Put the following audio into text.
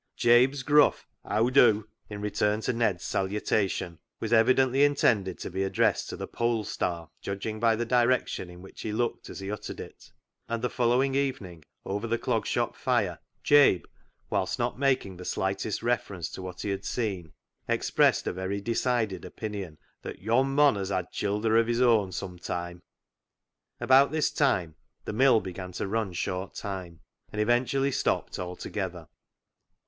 Jabe's gruff" " 'Ow do " in return to Ned's salutation was evidently intended to be ad dressed to the pole star, judging by the direc tion in which he looked as he uttered it. And the following evening over the Clog Shop fire, Jabe, whilst not making the slightest reference to what he had seen, expressed a very decided opinion that " Yon mon 'as had childer of his own some time." About this time the mill began to run short time, and eventually stopped altogether.